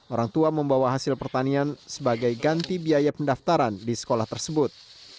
orang tua membawa hasil pertanian sebagai ganti biaya pendaftaran di sekolah tersebut